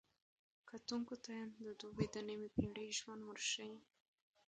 کتونکو ته د دوبۍ د نیمې پېړۍ ژوند ورښيي.